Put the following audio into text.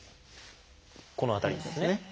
この辺りですね。